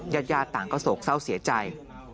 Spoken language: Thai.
ญาติญาติต่างก็โศกเศร้าเสียใจ